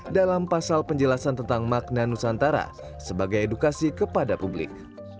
dalam pasal penjelasan tentang makna nusantara sebagai edukasi kepada publik